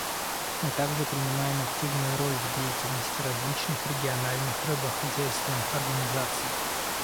Мы также принимаем активную роль в деятельности различных региональных рыбохозяйственных организаций.